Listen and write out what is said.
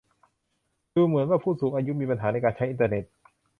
ดูเหมือนว่าผู้สูงอายุมีปัญหาในการใช้อินเทอร์เน็ต